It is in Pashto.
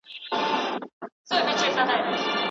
آیا د مسمومیت ضد درمل د ټولو عمرونو لپاره یو شان کارول کیږي؟